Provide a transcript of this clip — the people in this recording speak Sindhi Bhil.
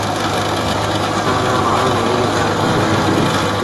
ٿر رآ مآڻهوٚٚݩ مزوريٚ ڪرڻ لآ وهيݩ دآ